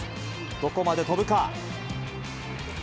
どこまで飛ぶか。